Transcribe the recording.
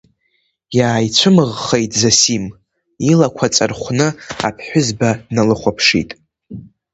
Иааицәымӷхеит Зосим, илақәа ҵархәны аԥҳәызба дналыхәаԥшит.